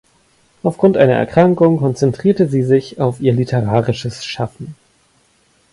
Aufgrund einer Erkrankung konzentrierte sie sich auf ihr literarisches Schaffen.